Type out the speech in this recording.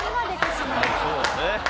そうですね。